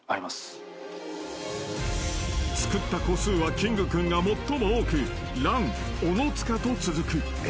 ［作った個数はキングくんが最も多く乱小野塚と続く］